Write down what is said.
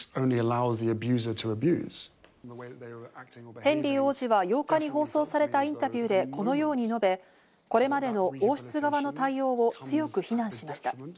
ヘンリー王子は８日に放送されたインタビューでこのように述べ、これまでの王室側の対応を強く非難しました。